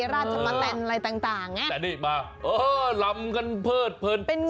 อร่อยใส่ชุดใจหราดจะมาแต่งอะไรต่าง